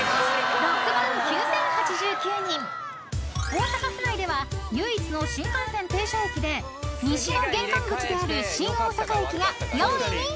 ［大阪府内では唯一の新幹線停車駅で西の玄関口である新大阪駅が４位にランクイン］